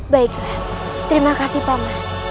baiklah terima kasih paman